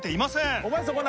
お前そこな？